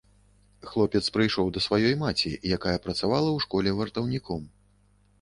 Хлопец прыйшоў да сваёй маці, якая працавала ў школе вартаўніком.